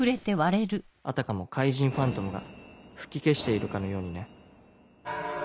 あたかも怪人ファントムが吹き消しているかのようにね。